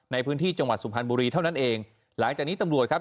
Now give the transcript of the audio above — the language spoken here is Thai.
ในพื้นที่จังหวัดสุพรรณบุรีเท่านั้นเองหลังจากนี้ตำรวจครับ